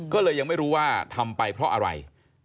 ก็เลยยังไม่รู้ว่าทำไปเพราะอะไร